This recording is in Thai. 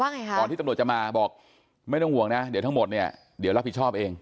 ไงคะก่อนที่ตำรวจจะมาบอกไม่ต้องห่วงนะเดี๋ยวทั้งหมดเนี่ยเดี๋ยวรับผิดชอบเอง